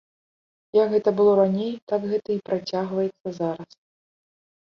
Як гэта было раней, так гэта і працягваецца зараз.